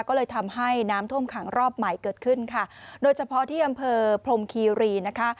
ก็เลยทำให้น้ำท่วมขังรอบใหม่เกิดขึ้นค่ะโดยเฉพาะที่อำเภอพรมคีรีนะคะ